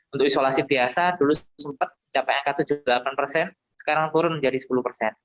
untuk isolasi biasa dulu sempat mencapai angka tujuh puluh delapan persen sekarang turun menjadi sepuluh persen